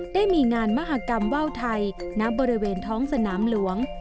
ได้มีงานมหากรรมว่าวไทยณบริเวณท้องสนามหลวง